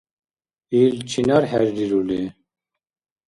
Ил чинар хӀеррирули?